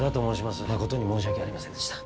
まことに申し訳ありませんでした。